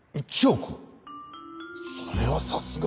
それはさすがに。